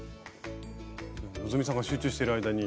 希さんが集中している間に。